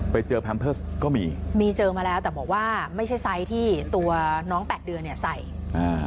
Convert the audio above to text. แพมเพิร์สก็มีมีเจอมาแล้วแต่บอกว่าไม่ใช่ไซส์ที่ตัวน้องแปดเดือนเนี้ยใส่อ่า